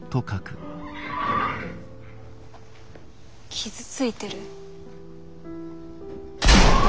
傷ついてる？